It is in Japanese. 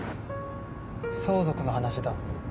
相続の話だ。